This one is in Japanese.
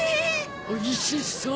おいしそう。